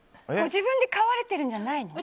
自分で飼われているんじゃないの？